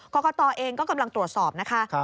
กรกตเองก็กำลังตรวจสอบนะคะ